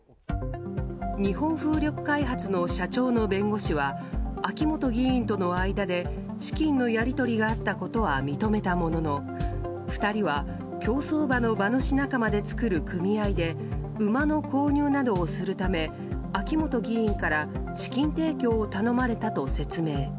日本風力開発の社長の弁護士は秋本議員との間で資金のやり取りがあったことは認めたものの２人は競走馬の馬主仲間で作る組合で馬の購入などをするため秋本議員から資金提供を頼まれたと説明。